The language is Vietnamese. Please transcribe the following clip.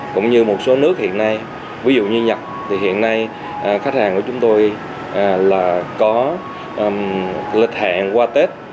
cũng như một số nước hiện nay ví dụ như nhật thì hiện nay khách hàng của chúng tôi là có lịch hẹn qua tết